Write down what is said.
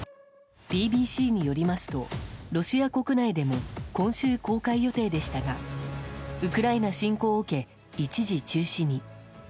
ＢＢＣによりますとロシア国内でも今週公開予定でしたがウクライナ侵攻を受け一時中止に。